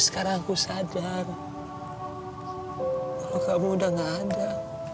sekarang aku sadar kamu udah nggak ada